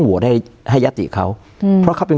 การแสดงความคิดเห็น